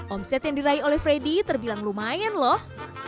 omset yang diraih oleh freddy terbilang lumayan loh